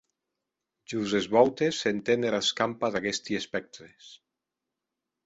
Jos es vòutes s’enten era escampa d’aguesti espèctres.